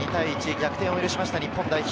逆転を許しました日本代表。